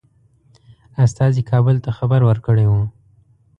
استازي کابل ته خبر ورکړی وو.